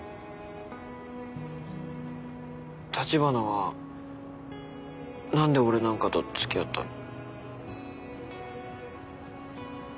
橘は何で俺なんかと付き合ったの？